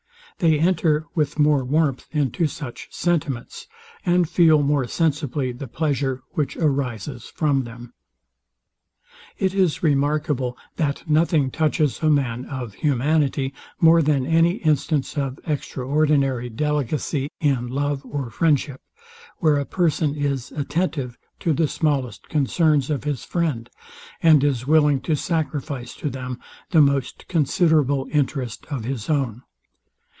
They enter with more warmth into such sentiments, and feel more sensibly the pleasure, which arises from them. It is remarkable, that nothing touches a man of humanity more than any instance of extraordinary delicacy in love or friendship, where a person is attentive to the smallest concerns of his friend, and is willing to sacrifice to them the most considerable interest of his own.